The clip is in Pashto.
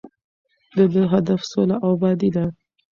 د ده هدف سوله او ابادي ده.